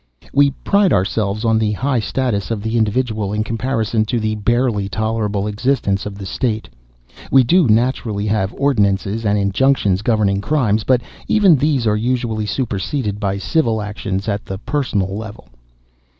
"We pride ourselves on the high status of the individual in comparison to the barely tolerable existence of the state. We do, naturally, have ordinances and injunctions governing crimes, but even these are usually superseded by civil action at the personal level."